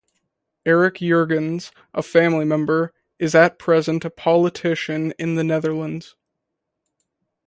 Eric Jurgens, a family member, is at present a politician in the Netherlands.